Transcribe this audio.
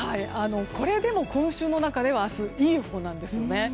これでも今週の中では明日、いいほうなんですね。